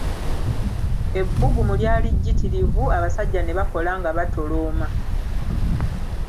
Ebbugumu lyali jjitirivu abasajja ne bakola nga batolooma.